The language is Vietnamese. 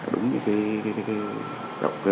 đúng như động cơ